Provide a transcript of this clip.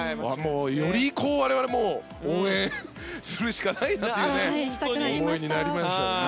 より我々も応援するしかないなっていうね思いになりましたね。